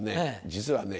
実はね